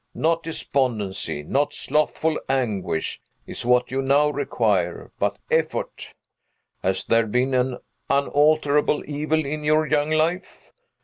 Not despondency, not slothful anguish, is what you now require, but effort! Has there been an unalterable evil in your young life?